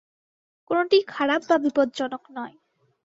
কোনটিই খারাপ বা বিপজ্জনক নয়।